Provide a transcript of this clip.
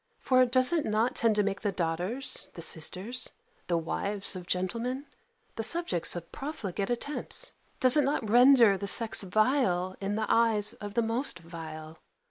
for does it not tend to make the daughters, the sisters, the wives of gentlemen, the subjects of profligate attempts? Does it not render the sex vile in the eyes of the most vile?